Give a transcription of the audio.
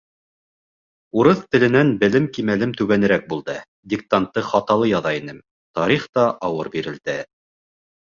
Урыҫ теленән белем кимәлем түбәнерәк булды, диктантты хаталы яҙа инем, тарих та ауыр бирелде.